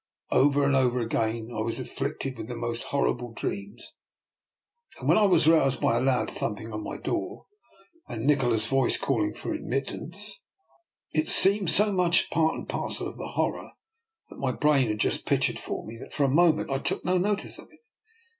Over and over again I was afflicted with the most horrible dreams; and when I was roused by a loud thumping on my door, and Nikola's voice calling for admittance, it seemed so much part and parcel of the horror my brain had just pictured for me, that for the moment I took no notice of it.